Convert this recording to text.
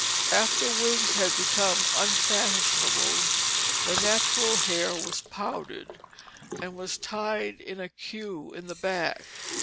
After wigs had become unfashionable, the natural hair was powdered, and was tied in a queue in the back.